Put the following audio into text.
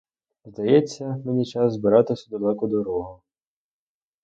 Здається, мені час збиратись у далеку дорогу.